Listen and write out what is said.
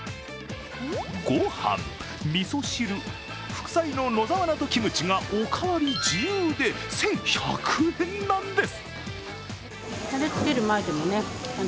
ご飯、みそ汁、副菜の野沢菜とキムチがおかわり自由で１１００円なんです。